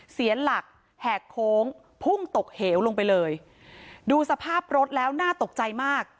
เสียหลักแหกโค้งพุ่งตกเหวลงไปเลยดูสภาพรถแล้วน่าตกใจมาก